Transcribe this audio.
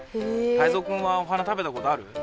タイゾウくんはお花食べたことある？